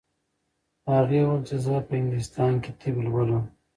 هغې وویل چې زه په انګلستان کې طب لولم.